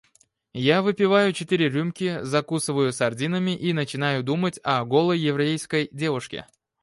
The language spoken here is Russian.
Я выпиваю четыре рюмки, закусываю сардинами и начинаю думать о голой еврейской девушке.